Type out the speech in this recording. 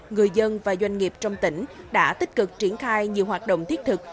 người dân và doanh nghiệp trong tỉnh đã tích cực triển khai nhiều hoạt động thiết thực